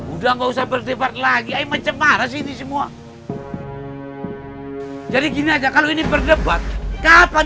udah nggak usah berdebat lagi ayo mencemara sini semua jadi gini aja kalau ini berdebat kapan